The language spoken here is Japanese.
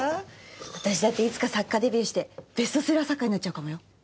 私だっていつか作家デビューしてベストセラー作家になっちゃうかもよ。